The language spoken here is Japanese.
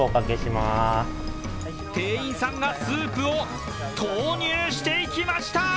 店員さんがスープを投入していきました。